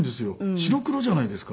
白黒じゃないですか。